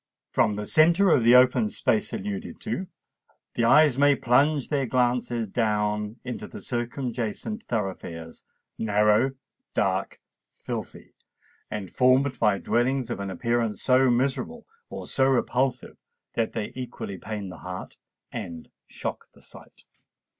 From the centre of the open space alluded to, the eyes may plunge their glances down into the circumjacent thoroughfares—narrow, dark, filthy, and formed by dwellings of an appearance so miserable or so repulsive that they equally pain the heart and shock the sight.